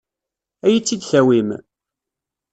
Ad iyi-tt-id-tawim?